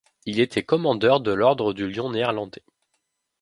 Il était commandeur de l'ordre du Lion néerlandais.